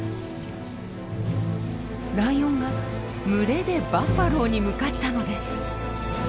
ライオンが群れでバッファローに向かったのです。